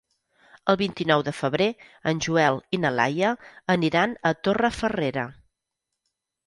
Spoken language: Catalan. El vint-i-nou de febrer en Joel i na Laia aniran a Torrefarrera.